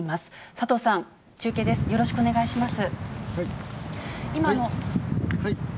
佐藤さん、中継です、よろしくお願いします。